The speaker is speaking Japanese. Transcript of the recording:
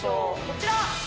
こちら。